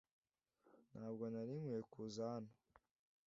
Ntabwo nari nkwiye kuza hano .